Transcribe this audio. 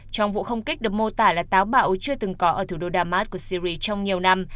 trong vụ không kích được mô tả là táo bạo chưa từng có ở thủ đô damas của syri trong nhiều năm